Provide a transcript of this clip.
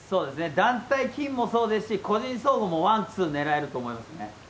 団体金もそうですし、個人総合もワン、ツー、狙えると思いますね。